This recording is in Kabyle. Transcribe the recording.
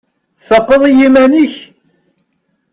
Tfaqeḍ i yiman-ik?